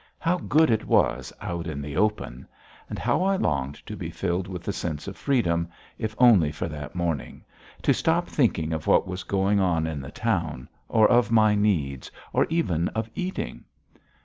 How good it was out in the open! And how I longed to be filled with the sense of freedom, if only for that morning, to stop thinking of what was going on in the town, or of my needs, or even of eating!